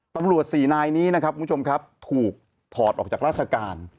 ตำรวจสี่นายนี้นะครับคุณผู้ชมครับถูกถอดออกจากราชการ